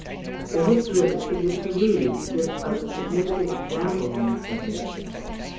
The history of the city of Toulouse gives us a significant example on this subject.